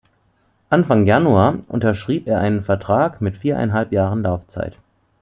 Anfang Januar unterschrieb er einen Vertrag mit viereinhalb Jahren Laufzeit.